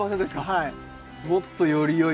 はい。